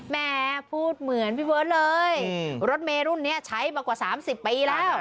แม่พูดเหมือนพี่เบิร์ตเลยรถเมรุ่นนี้ใช้มากว่า๓๐ปีแล้ว